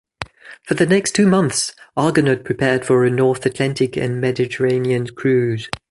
For the next two months, "Argonaut" prepared for a North Atlantic and Mediterranean cruise.